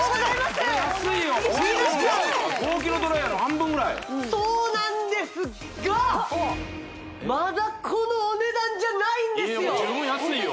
これ安いよ高機能ドライヤーの半分ぐらいそうなんですがまだこのお値段じゃないんですよもう十分安いよ